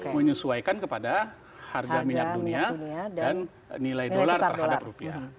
menyesuaikan kepada harga minyak dunia dan nilai dolar terhadap rupiah